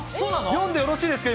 読んでよろしいですか？